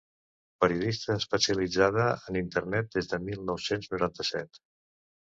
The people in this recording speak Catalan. Periodista especialitzada en Internet des de mil nou-cents noranta-set.